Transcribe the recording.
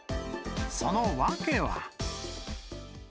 その訳は。